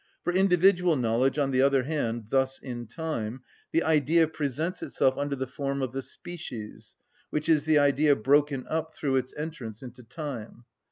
For individual knowledge, on the other hand, thus in time, the Idea presents itself under the form of the species, which is the Idea broken up through its entrance into time.